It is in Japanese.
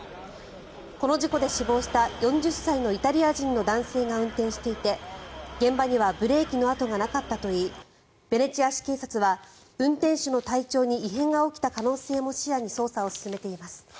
この事故で死亡した４０歳のイタリア人の男性が運転していて現場にはブレーキの跡がなかったといいベネチア市警察は運転手の体調に異変が起きた可能性も視野に捜査を進めています。